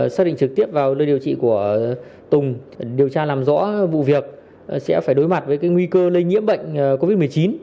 xác định trực tiếp vào nơi điều trị của tùng điều tra làm rõ vụ việc sẽ phải đối mặt với nguy cơ lây nhiễm bệnh covid một mươi chín